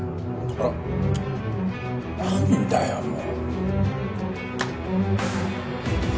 ちっ何だよもう。